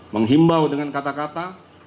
menghimbau dengan kata kata